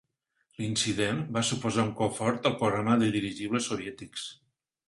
L'incident va suposar un cop fort al programa de dirigibles soviètics.